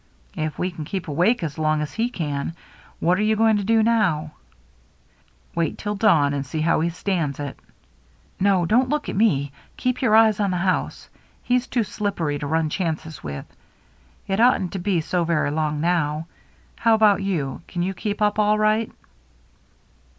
" If we can keep awake as long as he can. What are you going to do now ?"" Wait till dawn, and see how he stands it. No, don't look at me. Keep your eyes on the house. He's too slippery to run chances with. It oughtn't to be so very long now. How about you — can you keep up all right?"